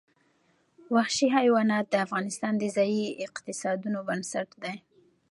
وحشي حیوانات د افغانستان د ځایي اقتصادونو بنسټ دی.